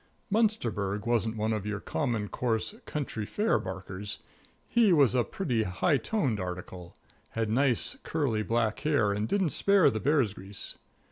Munsterberg wasn't one of your common, coarse, county fair barkers. He was a pretty high toned article. Had nice, curly black hair and didn't spare the bear's grease.